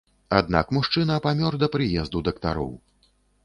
Аднак мужчына памёр да прыезду дактароў.